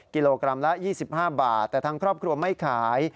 กิโลกรัมละ๒๕บาทแต่ทางครอบครัวไม่ขาย